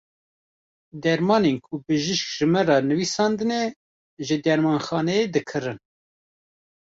Dermanên ku bijîşk ji me re nivîsandine, ji dermanxaneyê dikirin.